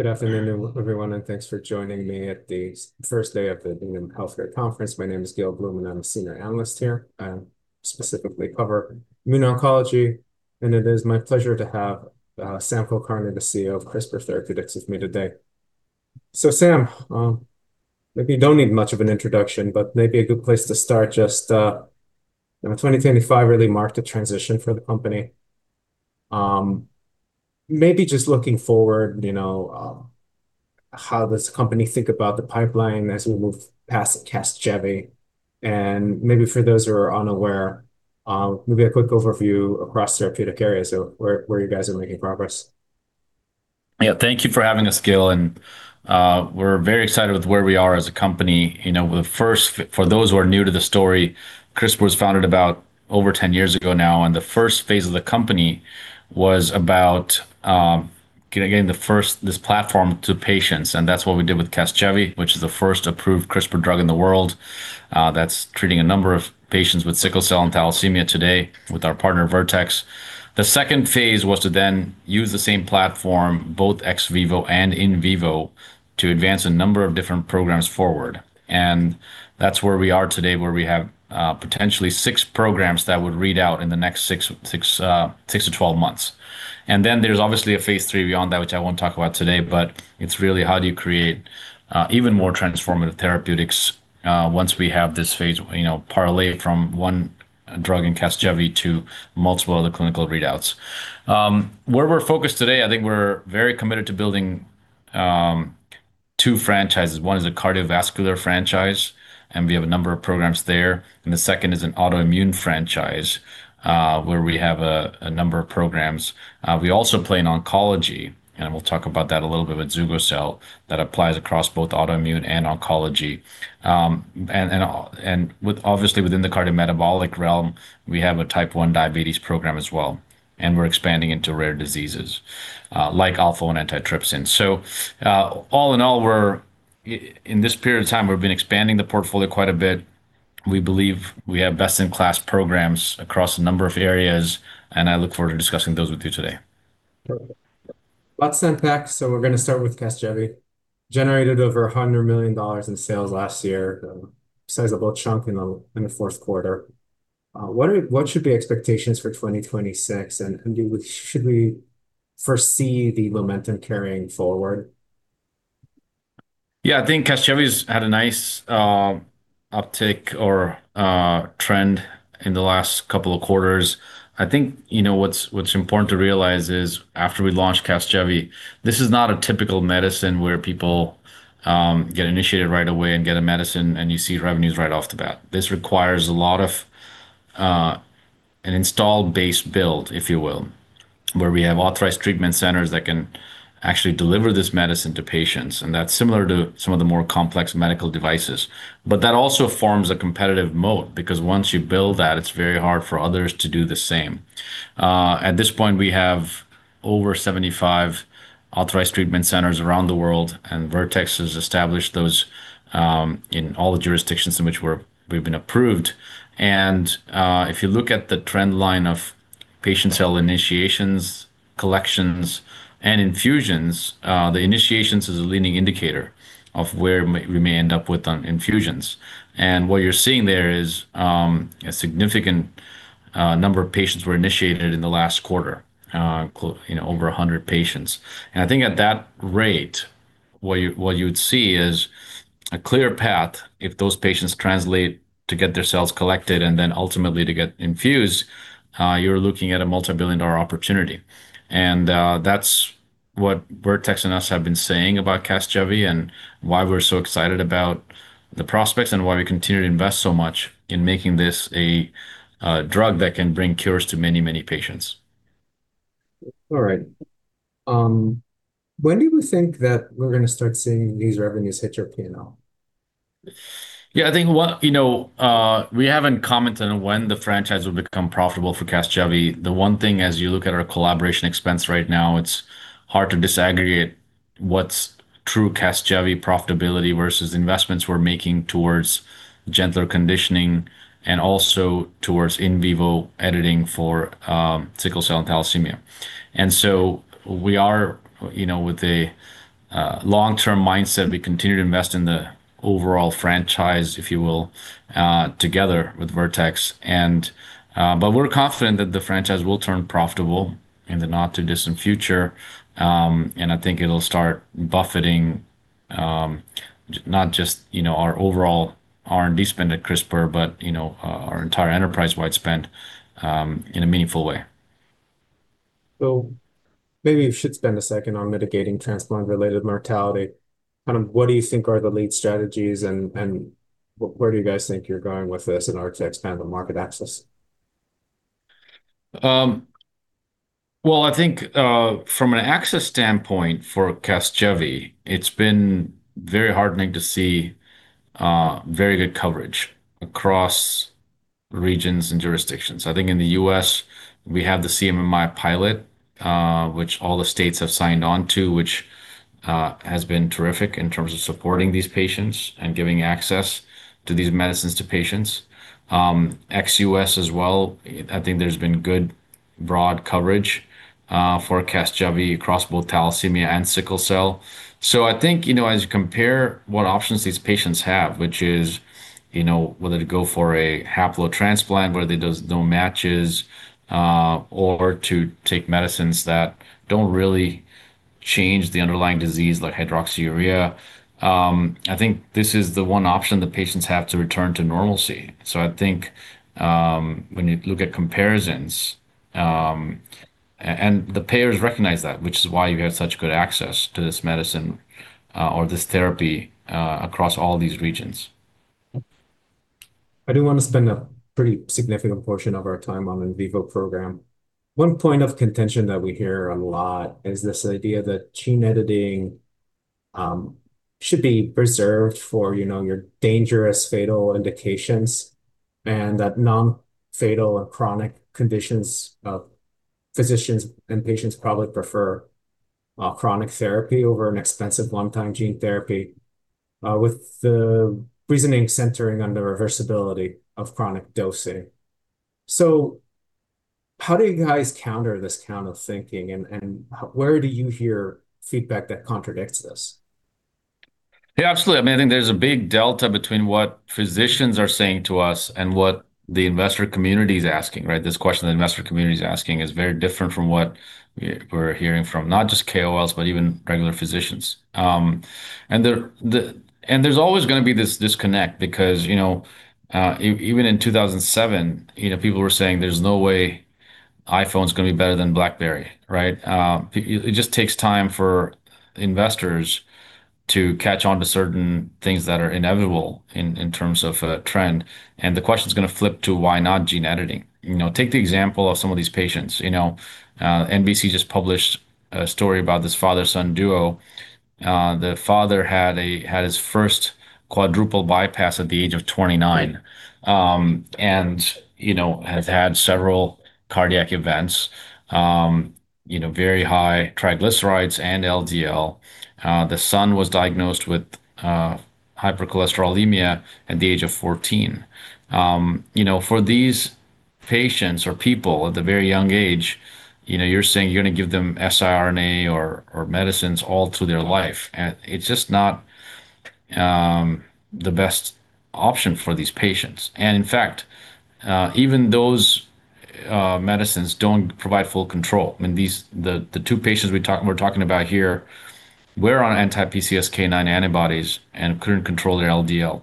Good afternoon, everyone, and thanks for joining me at the first day of the Needham Healthcare Conference. My name is Gil Blum, and I'm a Senior Analyst here. I specifically cover immune oncology, and it is my pleasure to have Sam Kulkarni, the CEO of CRISPR Therapeutics, with me today. Sam, maybe you don't need much of an introduction, but maybe a good place to start, just 2025 really marked a transition for the company. Maybe just looking forward, how does the company think about the pipeline as we move past Casgevy? Maybe for those who are unaware, maybe a quick overview across therapeutic areas of where you guys are making progress. Yeah. Thank you for having us, Gil, and we're very excited with where we are as a company. For those who are new to the story, CRISPR was founded about over 10 years ago now, and the phase I of the company was about getting this platform to patients, and that's what we did with Casgevy, which is the first approved CRISPR drug in the world. That's treating a number of patients with sickle cell and thalassemia today with our partner, Vertex Pharmaceuticals. The phase II was to then use the same platform, both ex vivo and in vivo, to advance a number of different programs forward. That's where we are today, where we have potentially six programs that would read out in the next six-twelve months. There's obviously a phase III beyond that, which I won't talk about today, but it's really how do you create even more transformative therapeutics once we have this phase parlayed from one drug in Casgevy to multiple other clinical readouts. Where we're focused today, I think we're very committed to building two franchises. One is a cardiovascular franchise, and we have a number of programs there. The second is an autoimmune franchise, where we have a number of programs. We also play in oncology, and we'll talk about that a little bit with Zugo-cel that applies across both autoimmune and oncology. Obviously within the cardiometabolic realm, we have a type one diabetes program as well, and we're expanding into rare diseases, like alpha-one antitrypsin. All in all, in this period of time, we've been expanding the portfolio quite a bit. We believe we have best-in-class programs across a number of areas, and I look forward to discussing those with you today. Perfect. Lots to unpack, so we're going to start with Casgevy. It generated over $100 million in sales last year, a sizeable chunk in the Q4. What should be expectations for 2026, and should we foresee the momentum carrying forward? Yeah. I think Casgevy's had a nice uptick or trend in the last couple of quarters. I think what's important to realize is after we launched Casgevy, this is not a typical medicine where people get initiated right away and get a medicine, and you see revenues right off the bat. This requires an installed base build, if you will, where we have authorized treatment centers that can actually deliver this medicine to patients, and that's similar to some of the more complex medical devices. That also forms a competitive moat because once you build that, it's very hard for others to do the same. At this point, we have over 75 authorized treatment centers around the world, and Vertex has established those in all the jurisdictions in which we've been approved. If you look at the trend line of patient cell initiations, collections, and infusions, the initiations is a leading indicator of where we may end up with on infusions. What you're seeing there is a significant number of patients were initiated in the last quarter, over 100 patients. I think at that rate, what you'd see is a clear path if those patients translate to get their cells collected and then ultimately to get infused. You're looking at a multibillion-dollar opportunity. That's what Vertex and us have been saying about Casgevy and why we're so excited about the prospects and why we continue to invest so much in making this a drug that can bring cures to many patients. All right. When do we think that we're going to start seeing these revenues hit your P&L? Yeah, we haven't commented on when the franchise will become profitable for Casgevy. The one thing as you look at our collaboration expense right now, it's hard to disaggregate what's true Casgevy profitability versus investments we're making towards gentler conditioning and also towards in vivo editing for sickle cell and thalassemia. We are with a long-term mindset. We continue to invest in the overall franchise, if you will, together with Vertex. We're confident that the franchise will turn profitable in the not-too-distant future, and I think it'll start buffeting, not just our overall R&D spend at CRISPR, but our entire enterprise-wide spend, in a meaningful way. Maybe you should spend a second on mitigating transplant-related mortality. What do you think are the lead strategies, and where do you guys think you're going with this in order to expand the market access? Well, I think, from an access standpoint for Casgevy, it's been very heartening to see very good coverage across regions and jurisdictions. I think in the U.S., we have the CMMI pilot, which all the states have signed on to, which has been terrific in terms of supporting these patients and giving access to these medicines to patients. Ex-U.S. as well, I think there's been good, broad coverage for Casgevy across both thalassemia and sickle cell. I think, as you compare what options these patients have, which is, whether to go for a haplo transplant, whether there's no matches, or to take medicines that don't really change the underlying disease, like hydroxyurea, I think this is the one option the patients have to return to normalcy. I think when you look at comparisons and the payers recognize that, which is why you have such good access to this medicine or this therapy across all these regions. I do want to spend a pretty significant portion of our time on in vivo program. One point of contention that we hear a lot is this idea that gene editing should be preserved for your dangerous, fatal indications and that non-fatal and chronic conditions, physicians and patients probably prefer chronic therapy over an expensive long-term gene therapy, with the reasoning centering on the reversibility of chronic dosing. How do you guys counter this line of thinking, and where do you hear feedback that contradicts this? Yeah, absolutely. I think there's a big delta between what physicians are saying to us and what the investor community's asking, right? This question the investor community's asking is very different from what we're hearing from not just KOLs, but even regular physicians. There's always going to be this disconnect because, even in 2007, people were saying there's no way iPhone's going to be better than BlackBerry, right? It just takes time for investors to catch on to certain things that are inevitable in terms of a trend, and the question's going to flip to why not gene editing. Take the example of some of these patients. NBC just published a story about this father-son duo. The father had his first quadruple bypass at the age of 29, and has had several cardiac events, very high triglycerides and LDL. The son was diagnosed with hypercholesterolemia at the age of 14. For these patients or people at the very young age, you're saying you're going to give them siRNA or medicines all through their life, and it's just not the best option for these patients. In fact, even those medicines don't provide full control, and the two patients we're talking about here were on anti-PCSK9 antibodies and couldn't control their LDL.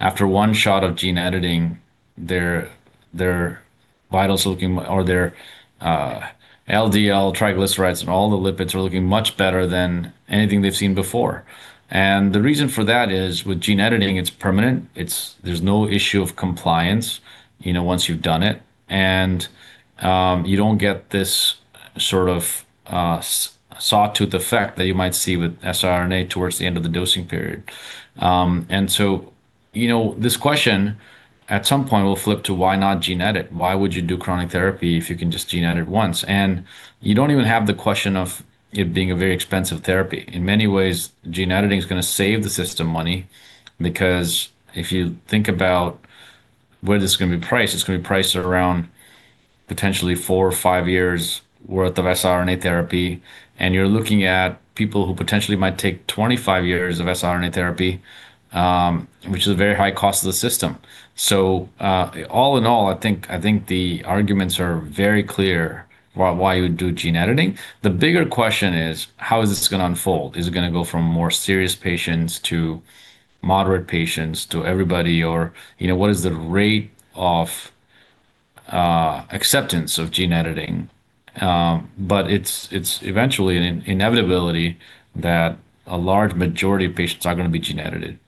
After one shot of gene editing, their LDL, triglycerides, and all the lipids are looking much better than anything they've seen before. The reason for that is, with gene editing, it's permanent. There's no issue of compliance once you've done it. You don't get this sort of sawtooth effect that you might see with siRNA towards the end of the dosing period. This question at some point will flip to why not gene edit? Why would you do chronic therapy if you can just gene edit once? You don't even have the question of it being a very expensive therapy. In many ways, gene editing is going to save the system money because if you think about where this is going to be priced, it's going to be priced around potentially four or five years' worth of siRNA therapy, and you're looking at people who potentially might take 25 years of siRNA therapy, which is a very high cost to the system. All in all, I think the arguments are very clear about why you would do gene editing. The bigger question is, how is this going to unfold? Is it going to go from more serious patients to moderate patients to everybody, or what is the rate of acceptance of gene editing? It's eventually an inevitability that a large majority of patients are going to be gene edited.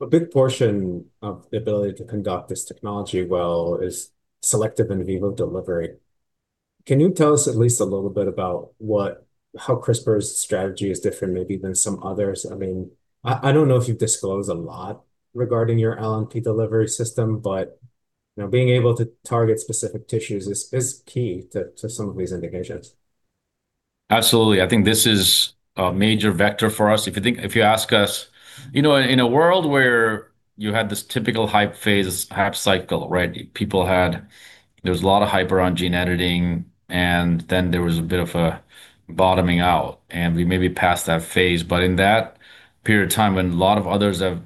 A big portion of the ability to conduct this technology well is selective in vivo delivery. Can you tell us at least a little bit about how CRISPR's strategy is different maybe than some others? I don't know if you've disclosed a lot regarding your LNP delivery system, but being able to target specific tissues is key to some of these indications. Absolutely. I think this is a major vector for us. If you ask us, in a world where you had this typical hype phase, hype cycle, right? There was a lot of hype around gene editing, and then there was a bit of a bottoming out, and we may be past that phase. But in that period of time when a lot of others have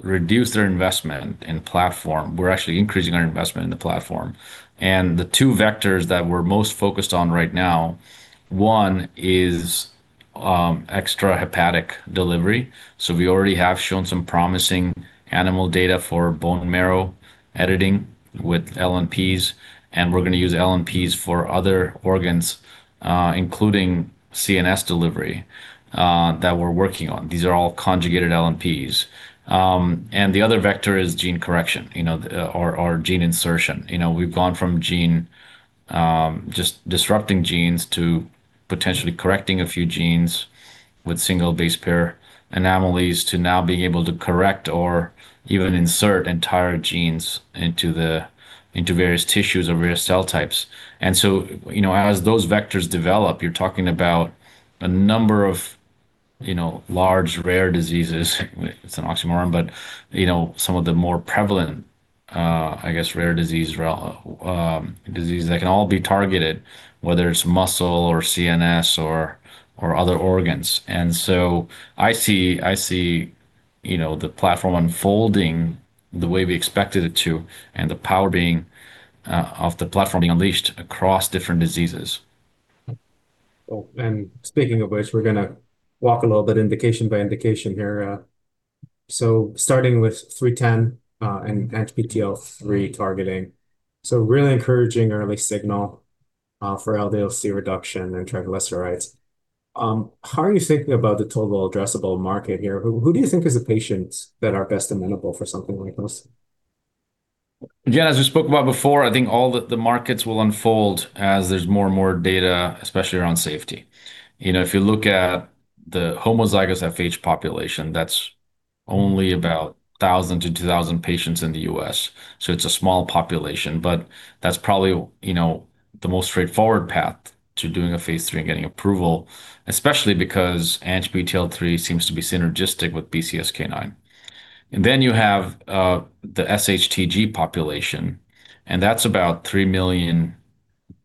reduced their investment in platform, we're actually increasing our investment in the platform. And the two vectors that we're most focused on right now, one is extrahepatic delivery. So we already have shown some promising animal data for bone marrow editing with LNPs, and we're going to use LNPs for other organs, including CNS delivery, that we're working on. These are all conjugated LNPs. And the other vector is gene correction or gene insertion. We've gone from just disrupting genes to potentially correcting a few genes with single base pair anomalies to now being able to correct or even insert entire genes into various tissues or various cell types. As those vectors develop, you're talking about a number of, you know, large, rare diseases. It's an oxymoron, but some of the more prevalent, I guess, rare diseases that can all be targeted, whether it's muscle or CNS or other organs. I see the platform unfolding the way we expected it to and the power of the platform being unleashed across different diseases. Speaking of which, we're going to walk a little bit indication by indication here. Starting with 310 and ANGPTL3 targeting, really encouraging early signal for LDL-C reduction and triglycerides. How are you thinking about the total addressable market here? Who do you think is the patients that are best amenable for something like this? Yeah, as we spoke about before, I think all the markets will unfold as there's more and more data, especially around safety. If you look at the homozygous FH population, that's only about 1,000-2,000 patients in the U.S., so it's a small population. That's probably the most straightforward path to doing a phase III and getting approval, especially because ANGPTL3 seems to be synergistic with PCSK9. You have the sHTG population, and that's about three million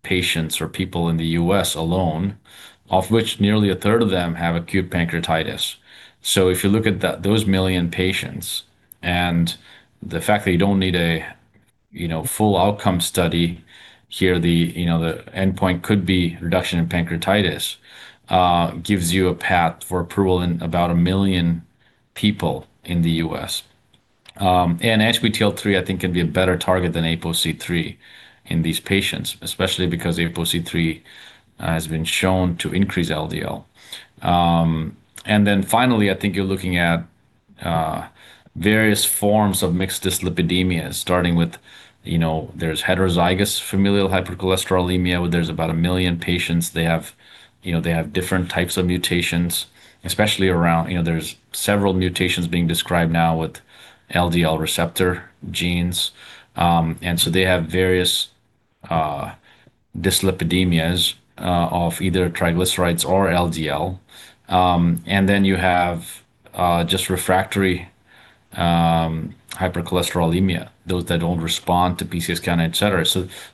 patients or people in the U.S. alone, of which nearly a third of them have acute pancreatitis. If you look at those one million patients and the fact that you don't need a full outcome study here, the endpoint could be reduction in pancreatitis, gives you a path for approval in about one million people in the U.S. ANGPTL3, I think, could be a better target than APOC3 in these patients, especially because APOC3 has been shown to increase LDL. Finally, I think you're looking at various forms of mixed dyslipidemia, starting with there's heterozygous familial hypercholesterolemia, where there's about 1 million patients. They have different types of mutations, especially there's several mutations being described now with LDL receptor genes. They have various dyslipidemias of either triglycerides or LDL. You have just refractory hypercholesterolemia, those that don't respond to PCSK9, et cetera.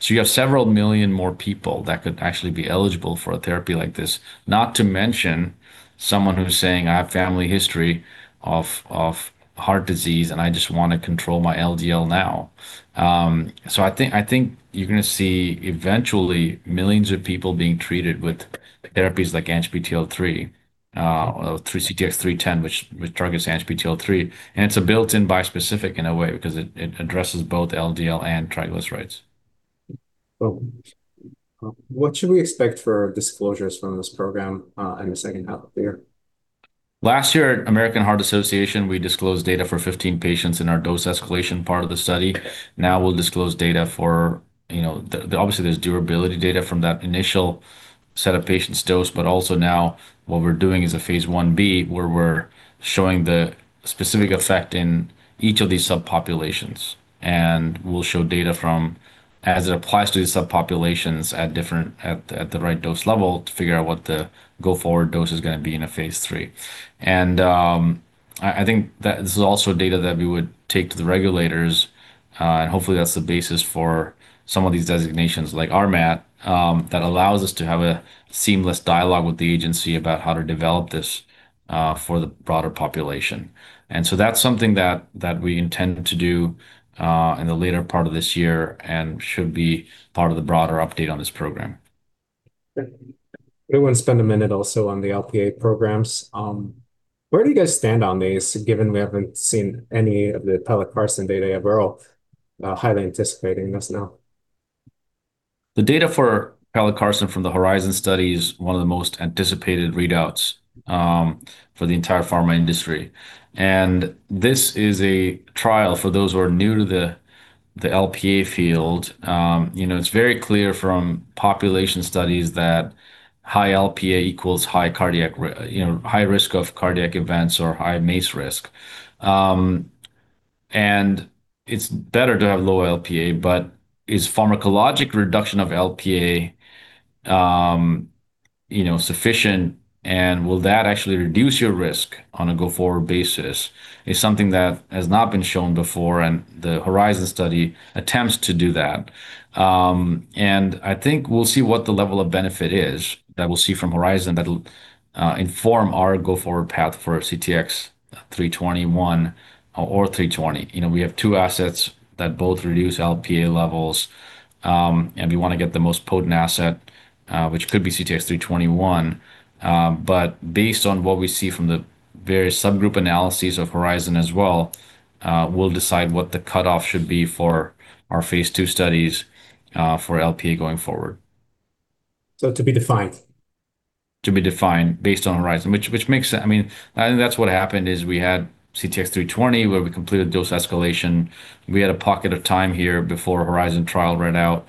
You have several million more people that could actually be eligible for a therapy like this. Not to mention someone who's saying, I have family history of heart disease, and I just want to control my LDL now. I think you're going to see eventually millions of people being treated with therapies like ANGPTL3, or through CTX-310, which targets ANGPTL3. It's a built-in bispecific in a way because it addresses both LDL and triglycerides. Well, what should we expect for disclosures from this program in the H2 of the year? Last year at American Heart Association, we disclosed data for 15 patients in our dose escalation part of the study. Obviously, there's durability data from that initial set of patients dose, but also now what we're doing is a phase I-B where we're showing the specific effect in each of these subpopulations. We'll show data from as it applies to the subpopulations at the right dose level to figure out what the go-forward dose is going to be in a phase III. I think that this is also data that we would take to the regulators, and hopefully that's the basis for some of these designations like RMAT that allows us to have a seamless dialogue with the agency about how to develop this for the broader population. That's something that we intend to do in the later part of this year and should be part of the broader update on this program. I want to spend a minute also on the Lp(a) programs. Where do you guys stand on these, given we haven't seen any of the pelacarsen data yet? We're all highly anticipating this now. The data for pelacarsen from the HORIZON study is one of the most anticipated readouts for the entire pharma industry. This is a trial for those who are new to the Lp(a) field. It's very clear from population studies that high Lp(a) equals high risk of cardiac events or high MACE risk. It's better to have low Lp(a), but is pharmacologic reduction of Lp(a) sufficient, and will that actually reduce your risk on a go-forward basis? It's something that has not been shown before, and the HORIZON study attempts to do that. I think we'll see what the level of benefit is that we'll see from HORIZON that'll inform our go-forward path for CTX-321 or 320. We have two assets that both reduce Lp(a) levels, and we want to get the most potent asset, which could be CTX-321. Based on what we see from the various subgroup analyses of HORIZON as well, we'll decide what the cut-off should be for our phase II studies for Lp(a) going forward. To be defined. To be defined based on HORIZON, which makes sense. I think that's what happened is we had CTX-320, where we completed dose escalation. We had a pocket of time here before HORIZON trial read out,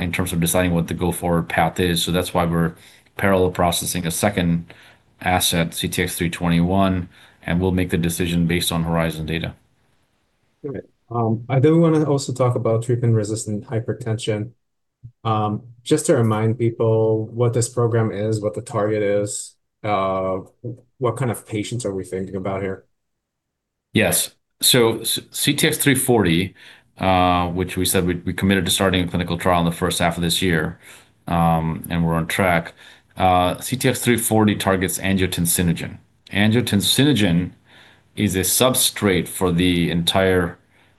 in terms of deciding what the go-forward path is. That's why we're parallel processing a second asset, CTX-321, and we'll make the decision based on HORIZON data. Great. I did want to also talk about treatment-resistant hypertension. Just to remind people what this program is, what the target is, what kind of patients are we thinking about here? Yes. CTX-340, which we said we committed to starting a clinical trial in the H1 of this year, and we're on track. CTX-340 targets angiotensinogen. Angiotensinogen is a substrate for the entire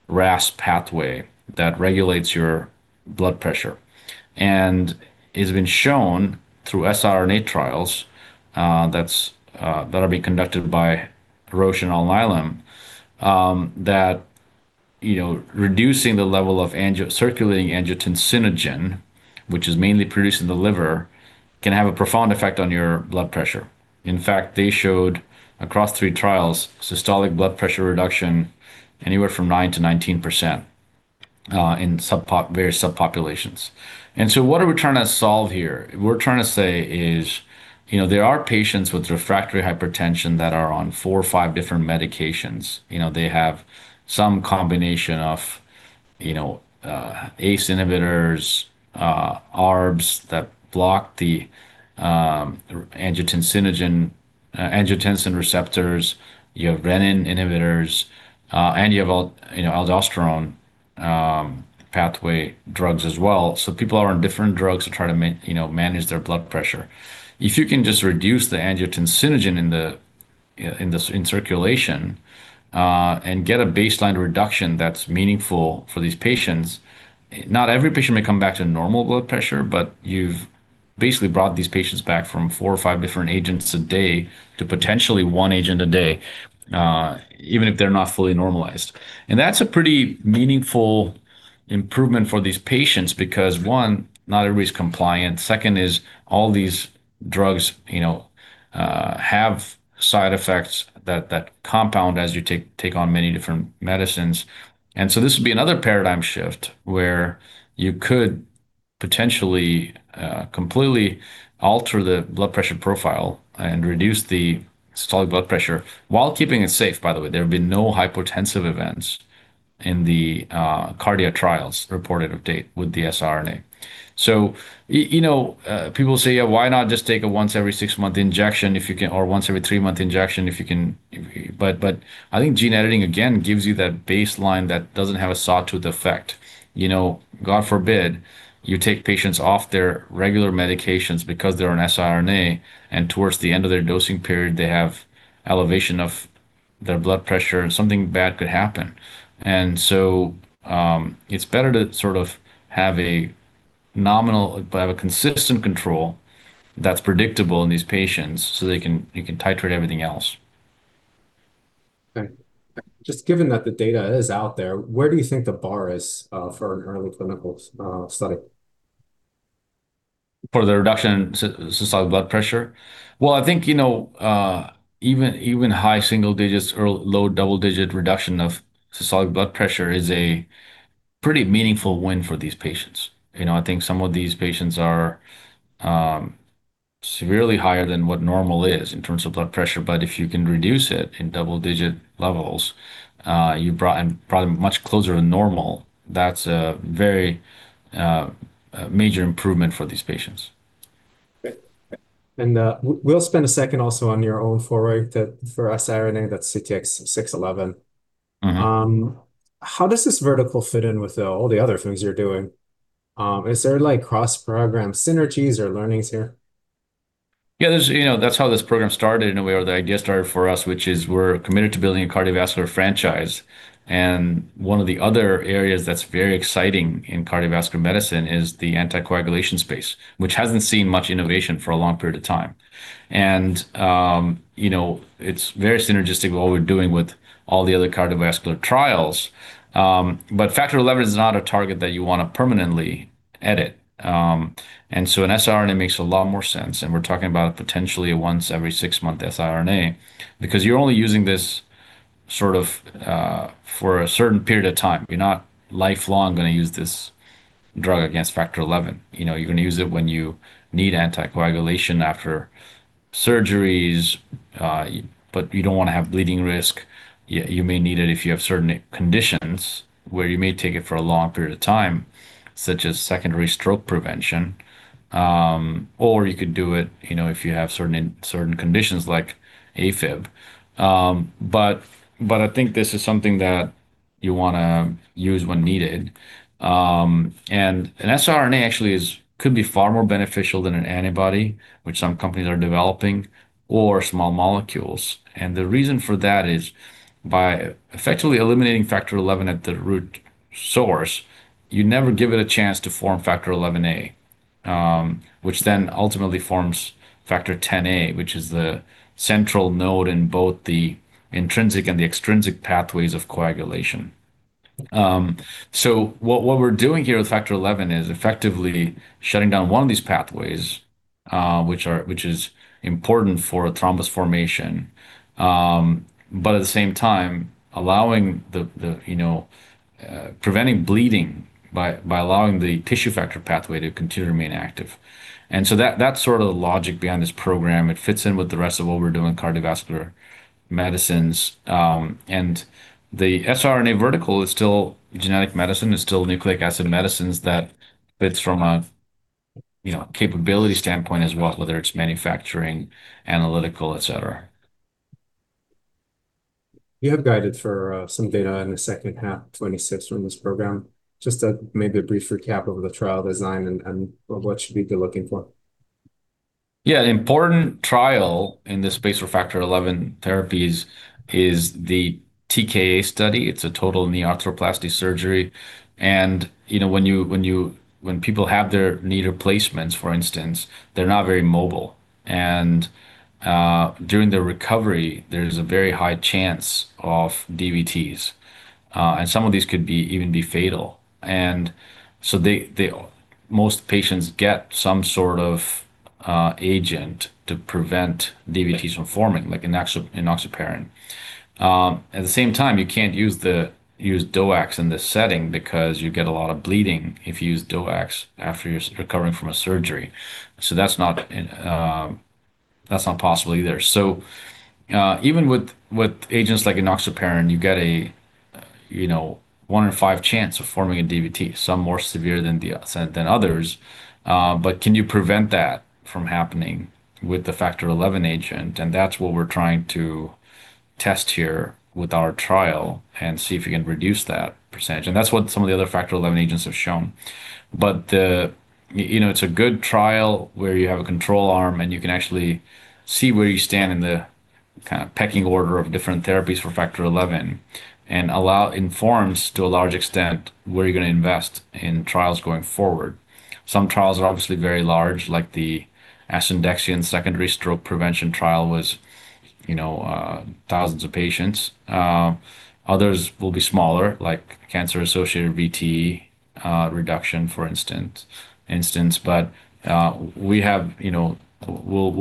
RAS pathway that regulates your blood pressure. It has been shown through siRNA trials that are being conducted by Roche and Alnylam that reducing the level of circulating angiotensinogen, which is mainly produced in the liver, can have a profound effect on your blood pressure. In fact, they showed across three trials systolic blood pressure reduction anywhere from 9%-19% in various subpopulations. What are we trying to solve here? We're trying to say is, there are patients with refractory hypertension that are on four or five different medications. They have some combination of ACE inhibitors, ARBs that block the angiotensinogen, angiotensin receptors, you have renin inhibitors, and you have aldosterone pathway drugs as well. People are on different drugs to try to manage their blood pressure. If you can just reduce the angiotensinogen in circulation, and get a baseline reduction that's meaningful for these patients, not every patient may come back to normal blood pressure, but you've basically brought these patients back from four or five different agents a day to potentially one agent a day, even if they're not fully normalized. That's a pretty meaningful improvement for these patients because one, not everybody's compliant. Second is all these drugs have side effects that compound as you take on many different medicines. This would be another paradigm shift where you could potentially completely alter the blood pressure profile and reduce the systolic blood pressure while keeping it safe, by the way. There have been no hypotensive events in the cardio trials reported of date with the siRNA. People say, "Why not just take a once every six-month injection or once every three-month injection if you can?" I think gene editing, again, gives you that baseline that doesn't have a sawtooth effect. God forbid, you take patients off their regular medications because they're on siRNA, and towards the end of their dosing period, they have elevation of their blood pressure, and something bad could happen. It's better to sort of have a nominal but have a consistent control that's predictable in these patients so you can titrate everything else. Okay, just given that the data is out there, where do you think the bar is for an early clinical study? For the reduction in systolic blood pressure? Well, I think even high single digits or low double-digit reduction of systolic blood pressure is a pretty meaningful win for these patients. I think some of these patients are severely higher than what normal is in terms of blood pressure, but if you can reduce it in double-digit levels, you brought them much closer to normal. That's a very major improvement for these patients. Okay. We'll spend a second also on your own foray for siRNA, that's CTX-611. How does this vertical fit in with all the other things you're doing? Is there cross-program synergies or learnings here? Yeah. That's how this program started, in a way, or the idea started for us, which is we're committed to building a cardiovascular franchise. One of the other areas that's very exciting in cardiovascular medicine is the anticoagulation space, which hasn't seen much innovation for a long period of time. It's very synergistic with what we're doing with all the other cardiovascular trials. Factor XI is not a target that you want to permanently edit. An siRNA makes a lot more sense, and we're talking about potentially a once every six-month siRNA because you're only using this sort of for a certain period of time. You're not lifelong going to use this drug against factor XI. You're going to use it when you need anticoagulation after surgeries, but you don't want to have bleeding risk. You may need it if you have certain conditions where you may take it for a long period of time, such as secondary stroke prevention. You could do it if you have certain conditions like AFib. I think this is something that you want to use when needed. An siRNA actually could be far more beneficial than an antibody, which some companies are developing, or small molecules. The reason for that is by effectively eliminating factor XI at the root source, you never give it a chance to form factor XIa, which then ultimately forms factor Xa, which is the central node in both the intrinsic and the extrinsic pathways of coagulation. What we're doing here with factor XI is effectively shutting down one of these pathways, which is important for thrombus formation. At the same time, preventing bleeding by allowing the tissue factor pathway to continue to remain active, that's sort of the logic behind this program. It fits in with the rest of what we're doing, cardiovascular medicines. The siRNA vertical is still genetic medicine. It's still nucleic acid medicines that fits from a capability standpoint as well, whether it's manufacturing, analytical, et cetera. You have guided for some data in the H2 2026 from this program. Just maybe a brief recap of the trial design and what should we be looking for? Yeah. The important trial in the space for factor XI therapies is the TKA study. It's a total knee arthroplasty surgery. When people have their knee replacements, for instance, they're not very mobile. During their recovery, there's a very high chance of DVTs, and some of these could even be fatal. Most patients get some sort of agent to prevent DVTs from forming, like enoxaparin. At the same time, you can't use DOACs in this setting because you get a lot of bleeding if you use DOACs after you're recovering from a surgery. That's not possible either. Even with agents like enoxaparin, you get a one in five chance of forming a DVT, some more severe than others. Can you prevent that from happening with the factor XI agent? That's what we're trying to test here with our trial and see if we can reduce that percentage. That's what some of the other factor XI agents have shown. It's a good trial where you have a control arm, and you can actually see where you stand in the kind of pecking order of different therapies for factor XI and informs, to a large extent, where you're going to invest in trials going forward. Some trials are obviously very large, like the asundexion secondary stroke prevention trial was thousands of patients. Others will be smaller, like cancer-associated VTE reduction, for instance. We'll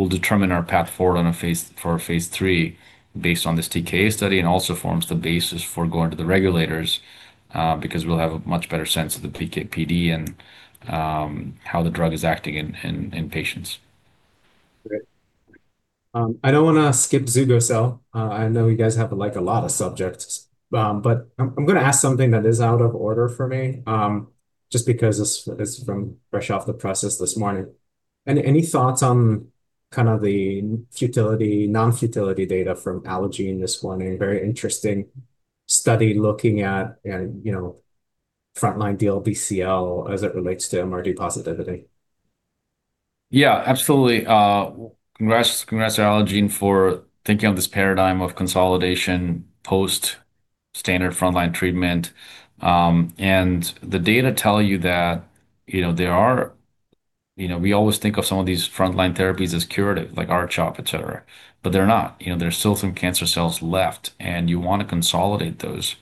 determine our path forward for phase III based on this TKA study, and also forms the basis for going to the regulators, because we'll have a much better sense of the PK/PD and how the drug is acting in patients. Great. I don't want to skip Zugo-cel. I know you guys have a lot of subjects. I'm going to ask something that is out of order for me, just because it's from fresh off the presses this morning. Any thoughts on kind of the non-futility data from Allogene this morning? Very interesting study looking at frontline DLBCL as it relates to MRD positivity. Yeah, absolutely. Congrats to Allogene for thinking of this paradigm of consolidation, post-standard frontline treatment. The data tell you that we always think of some of these frontline therapies as curative, like R-CHOP, et cetera. They're not. There's still some cancer cells left, and you want to consolidate those.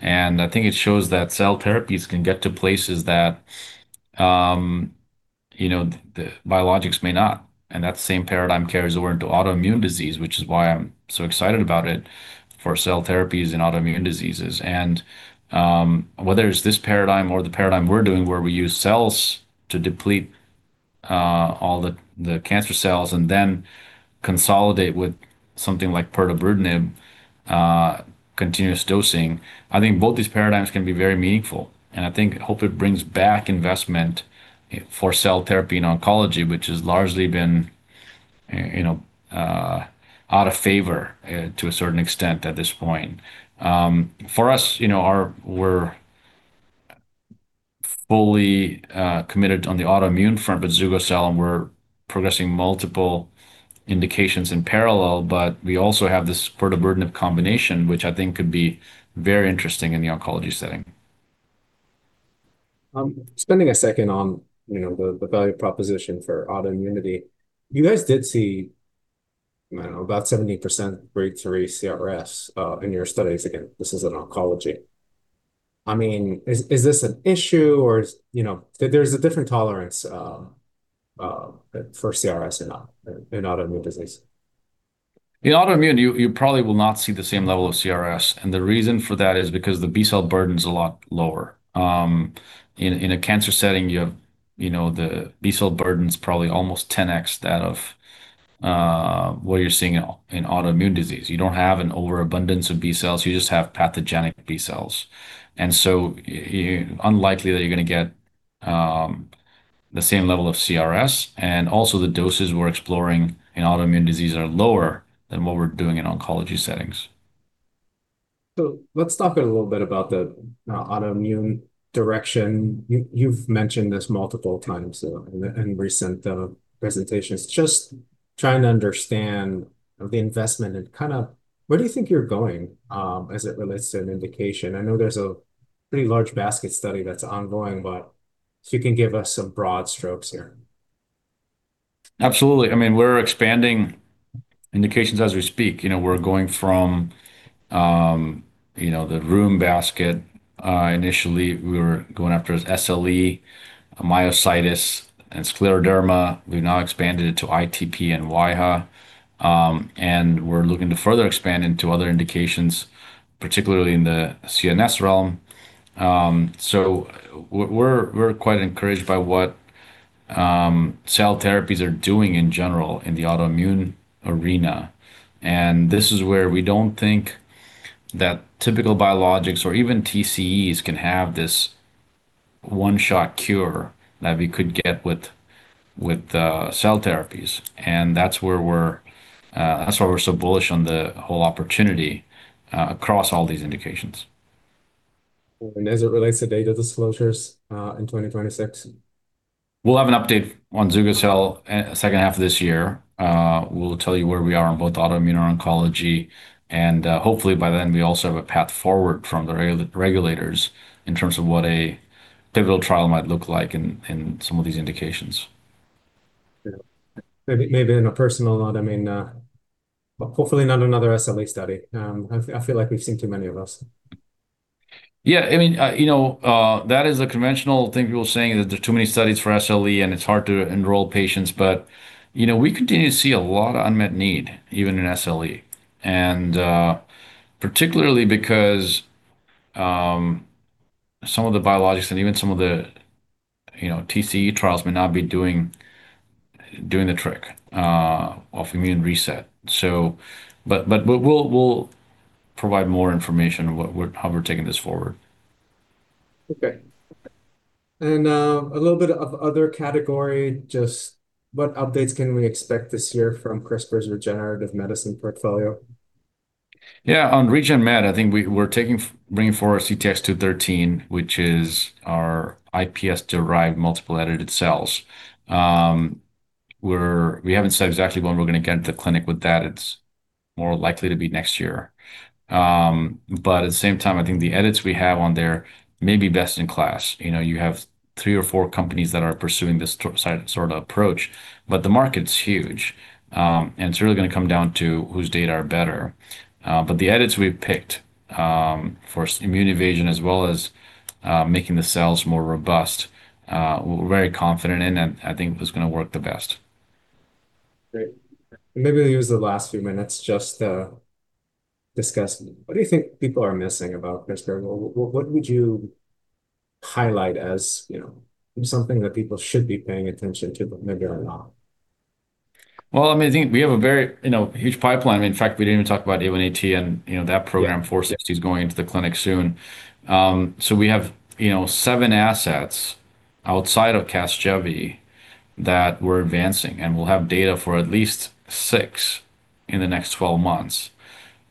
I think it shows that cell therapies can get to places that the biologics may not. That same paradigm carries over into autoimmune disease, which is why I'm so excited about it for cell therapies in autoimmune diseases. Whether it's this paradigm or the paradigm we're doing where we use cells to deplete all the cancer cells and then consolidate with something like pirtobrutinib continuous dosing, I think both these paradigms can be very meaningful. I think, hope it brings back investment for cell therapy in oncology, which has largely been out of favour to a certain extent at this point. For us, we're fully committed on the autoimmune front with Zugo-cel, and we're progressing multiple indications in parallel, but we also have this pirtobrutinib combination, which I think could be very interesting in the oncology setting. Spending a second on the value proposition for autoimmunity, you guys did see about 70% grade three CRS in your studies. Again, this is in oncology. Is this an issue, or there's a different tolerance for CRS in autoimmune disease? In autoimmune, you probably will not see the same level of CRS, and the reason for that is because the B-cell burden's a lot lower. In a cancer setting, the B-cell burden's probably almost 10x that of what you're seeing in autoimmune disease. You don't have an overabundance of B-cells, you just have pathogenic B-cells. Unlikely that you're going to get the same level of CRS. Also, the doses we're exploring in autoimmune disease are lower than what we're doing in oncology settings. Let's talk a little bit about the autoimmune direction. You've mentioned this multiple times in recent presentations. Just trying to understand the investment and where do you think you're going as it relates to an indication? I know there's a pretty large basket study that's ongoing, but if you can give us some broad strokes here. Absolutely. We're expanding indications as we speak. We're going from the rheum basket. Initially, we were going after SLE, myositis, and scleroderma. We've now expanded it to ITP and AIHA, and we're looking to further expand into other indications, particularly in the CNS realm. We're quite encouraged by what cell therapies are doing in general in the autoimmune arena. This is where we don't think that typical biologics or even TCEs can have this one-shot cure that we could get with cell therapies. That's why we're so bullish on the whole opportunity across all these indications. As it relates to data disclosures in 2026. We'll have an update on Zugo-cel H2 of this year. We'll tell you where we are on both autoimmune or oncology, and hopefully by then, we also have a path forward from the regulators in terms of what a pivotal trial might look like in some of these indications. Yeah, maybe on a personal note, but hopefully not another SLE study. I feel like we've seen too many of those. Yeah. That is a conventional thing people saying, is that there are too many studies for SLE and it's hard to enroll patients. We continue to see a lot of unmet need, even in SLE, and particularly because some of the biologics and even some of the TCE trials may not be doing the trick of immune reset. We'll provide more information on how we're taking this forward. Okay. A little bit of other category, just what updates can we expect this year from CRISPR's regenerative medicine portfolio? Yeah. On regen med, I think we're bringing forward CTX-213, which is our iPSC-derived multiple edited cells. We haven't said exactly when we're going to get into the clinic with that. It's more likely to be next year. At the same time, I think the edits we have on there may be best in class. You have three or four companies that are pursuing this sort of approach, but the market's huge. It's really going to come down to whose data are better. The edits we've picked for immune evasion as well as making the cells more robust, we're very confident in and I think is going to work the best. Great. Maybe we'll use the last few minutes just to discuss. What do you think people are missing about CRISPR? What would you highlight as something that people should be paying attention to but maybe are not? Well, I think we have a very huge pipeline. In fact, we didn't even talk about A1AT and that program, CTX-460's going into the clinic soon. We have seven assets outside of Casgevy that we're advancing, and we'll have data for at least six in the next 12 months.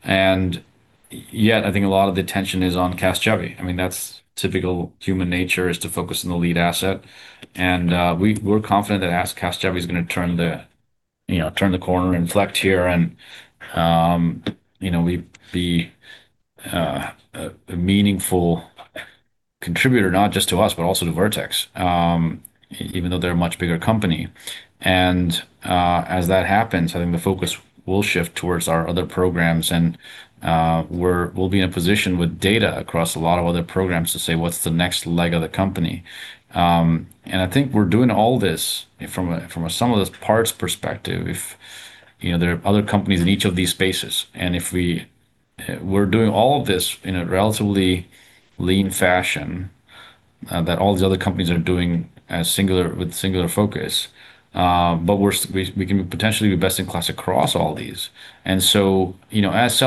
Yet, I think a lot of the attention is on Casgevy. That's typical human nature is to focus on the lead asset. We're confident that Casgevy is going to turn the corner, inflect here, and be a meaningful contributor not just to us, but also to Vertex, even though they're a much bigger company. As that happens, I think the focus will shift towards our other programs, and we'll be in position with data across a lot of other programs to say, what's the next leg of the company? I think we're doing all this from a sum of the parts perspective. If there are other companies in each of these spaces, and if we're doing all of this in a relatively lean fashion, that all these other companies are doing with singular focus, we can potentially be best in class across all these. As cell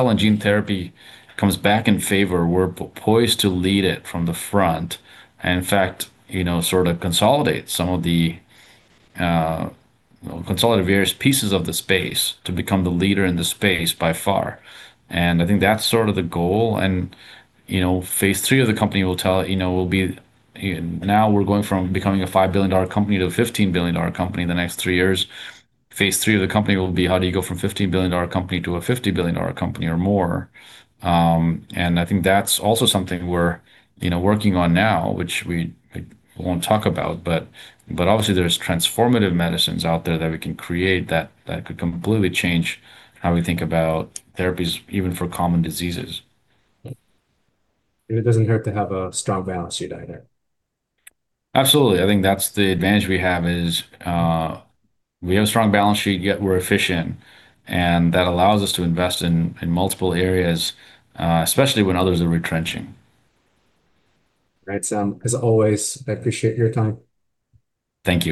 and gene therapy comes back in favour, we're poised to lead it from the front, in fact, sort of consolidate various pieces of the space to become the leader in the space by far. I think that's sort of the goal. Phase III of the company will tell. Now we're going from becoming a $5 billion-dollar company to a $15 billion-dollar company in the next three years. phase III of the company will be how do you go from 15-50 billion-dollar company or more? I think that's also something we're working on now, which we won't talk about, but obviously there's transformative medicines out there that we can create that could completely change how we think about therapies, even for common diseases. It doesn't hurt to have a strong balance sheet either. Absolutely. I think that's the advantage we have is we have a strong balance sheet, yet we're efficient, and that allows us to invest in multiple areas, especially when others are retrenching. Right, Sam. As always, I appreciate your time. Thank you.